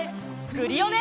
クリオネ！